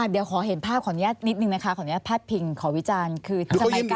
เดี๋ยวขอเห็นภาพของนี้นิดนึงนะคะของนี้พัดพิงขอวิจารณ์